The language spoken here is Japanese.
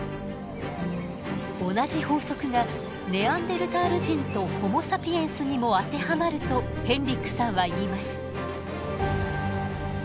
同じ法則がネアンデルタール人とホモ・サピエンスにも当てはまるとヘンリックさんは言います。